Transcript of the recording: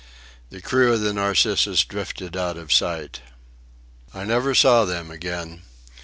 The crew of the Narcissus drifted out of sight. I never saw them again.